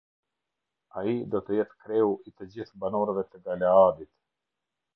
Ai do të jetë kreu i të gjithë banorëve të Galaadit".